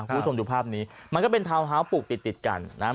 เข้าสมดูภาพนี้มันก็เป็นทาวน์เท้าพบุกติดติดกันนะ